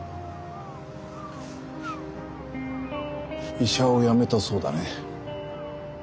医者をやめたそうだね。